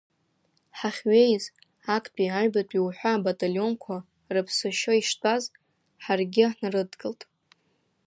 Ҳахьҩеиз, актәи, ахԥатәи уҳәа абаталионқәа рыԥсы шьо иштәаз, ҳаргьы ҳнарыдгылт.